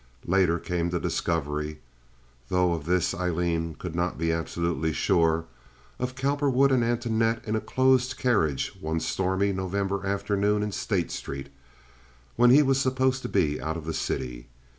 Later came the discovery—though of this Aileen could not be absolutely sure—of Cowperwood and Antoinette in a closed carriage one stormy November afternoon in State Street when he was supposed to be out of the city.